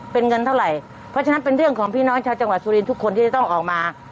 เป็นเงินเท่าไหร่เพราะฉะนั้นเป็นเรื่องของพี่น้องชาวจังหวัดสุรินทุกคนที่จะต้องออกมา